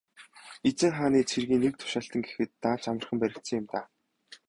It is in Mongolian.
Эзэн хааны цэргийн нэг тушаалтан гэхэд даанч амархан баригдсан юм даа.